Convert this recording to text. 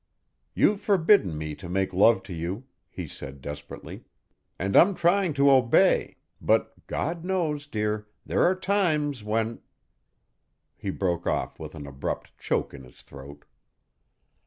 "You've forbidden me to make love to you," he said desperately, "and I'm trying to obey, but God knows, dear, there are times when " He broke off with an abrupt choke in his throat.